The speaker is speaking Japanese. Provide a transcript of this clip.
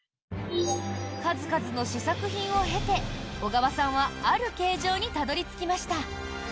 数々の試作品を経て小川さんは、ある形状にたどり着きました。